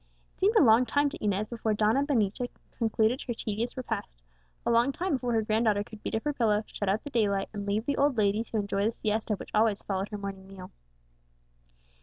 It seemed a long time to Inez before Donna Benita concluded her tedious repast; a long time before her grand daughter could beat up her pillow, shut out the daylight, and leave the old lady to enjoy the siesta which always followed her morning meal.